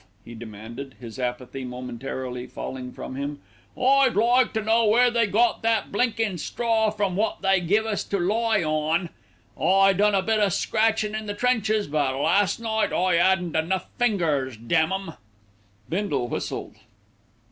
he demanded, his apathy momentarily falling from him. "I'd like to know where they got that blinkin' straw from wot they give us to lie on. I done a bit o' scratchin' in the trenches; but last night I 'adn't enough fingers, damn 'em." Bindle whistled.